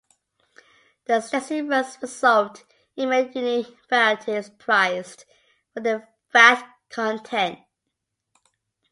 The extensive runs result in many unique varieties, prized for their fat content.